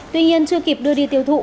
tuy nhiên chưa kịp đưa đi tiêu thụ